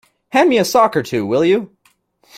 Hand me a sock or two, will you?